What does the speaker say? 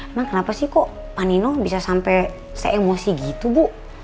emang kenapa sih kok panino bisa sampai se emosi gitu bu